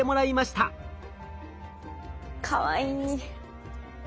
かわいい。